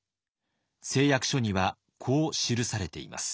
誓約書にはこう記されています。